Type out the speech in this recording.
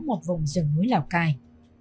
một vùng rừng núi lào cai